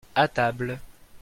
à table.